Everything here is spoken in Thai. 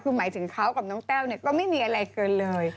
คือหมายถึงเขากับน้องแต้วก็ไม่มีอะไรเกินเลย